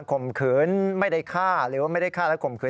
ข่มขืนไม่ได้ฆ่าหรือว่าไม่ได้ฆ่าและข่มขื